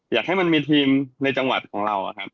อยากให้มันมีทีมในจังหวัดของเราครับ